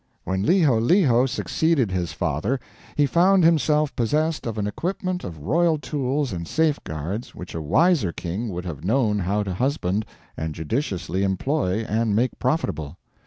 When Liholiho succeeded his father he found himself possessed of an equipment of royal tools and safeguards which a wiser king would have known how to husband, and judiciously employ, and make profitable.